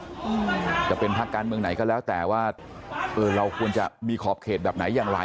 อืมจะเป็นภาคการเมืองไหนก็แล้วแต่ว่าเออเราควรจะมีขอบเขตแบบไหนอย่างไร